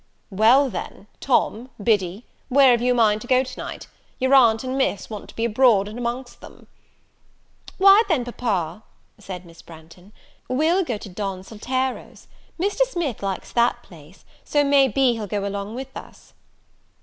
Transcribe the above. "Well, then, Tom, Biddy, where have you a mind to go tonight? your aunt and Miss want to be abroad and amongst them." "Why, then, Papa," said Miss Branghton, "we'll go to Don Saltero's. Mr. Smith likes that place, so may be he'll go along with us."